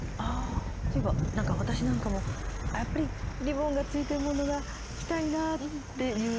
そういえば私なんかもやっぱりリボンが付いてるものが着たいなという時は？